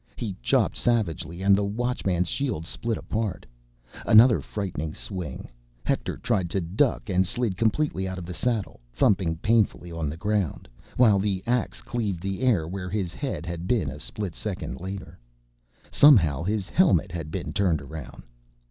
He chopped savagely, and the Watchman's shield split apart. Another frightening swing—Hector tried to duck and slid completely out of the saddle, thumping painfully on the ground, while the ax cleaved the air where his head had been a split second earlier. Somehow his helmet had been turned around.